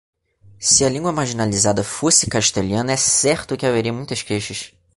Se a língua marginalizada fosse castelhana, é certo que haveria muitas queixas.